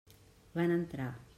Van entrar.